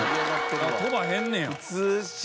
飛ばへんねや。